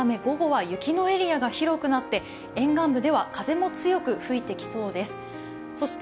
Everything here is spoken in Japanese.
そのため午後は雪のエリアが広くなって沿岸部では風も強く吹いてきそうです。